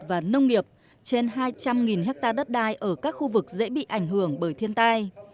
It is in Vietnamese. và nông nghiệp trên hai trăm linh hectare đất đai ở các khu vực dễ bị ảnh hưởng bởi thiên tai